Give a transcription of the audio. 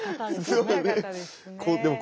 そうだね。